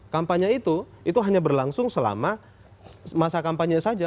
kampanye itu itu hanya berlangsung selama masa kampanye saja